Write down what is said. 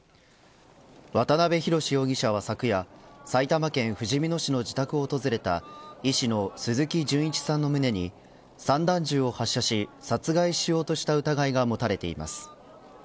渡辺博容疑者は昨夜埼玉県ふじみ野市の自宅を訪れた医師の鈴木純一さんの胸に散弾銃を発射し殺害しようとした疑いが持たれています。